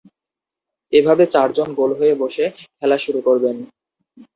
এভাবে চারজন গোল হয়ে বসে খেলা শুরু করবেন।